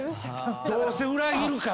どうせ裏切るから。